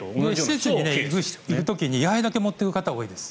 施設に行く時に位牌だけ持っていく方多いです。